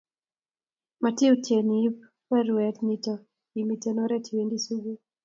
matiyutien iib baruwt nito imite oret iwendi sukul